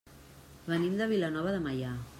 Venim de Vilanova de Meià.